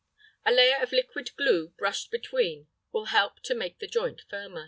A layer of liquid glue brushed between will help to make the joint firmer.